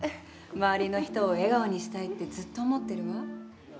周りの人を笑顔にしたいってずっと思っているわ。